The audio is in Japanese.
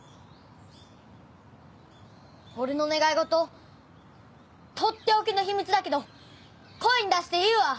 俺の願い事とっておきの秘密だけど声に出して言うわ。